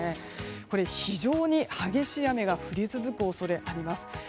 これは非常に激しい雨が降り続く恐れがあります。